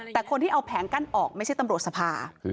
แต่คนที่เอาแผงกั้นออกไม่ใช่ตำรวจสภา